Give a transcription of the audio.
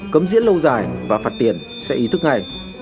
cấm diễn lâu dài và phạt tiền sẽ ý thức ngay